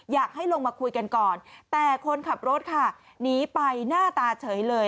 อยากให้ลงมาคุยกันก่อนแต่คนขับรถค่ะหนีไปหน้าตาเฉยเลย